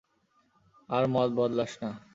আর মত বদলাস না।